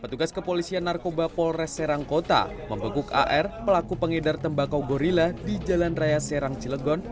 petugas kepolisian narkoba polres serang kota membekuk ar pelaku pengedar tembakau gorilla di jalan raya serang cilegon